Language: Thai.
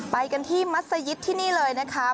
ไปกันที่มัศยิตที่นี่เลยนะคะ